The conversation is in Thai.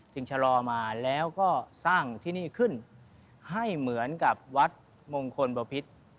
ชะลอมาแล้วก็สร้างที่นี่ขึ้นให้เหมือนกับวัดมงคลบพิษ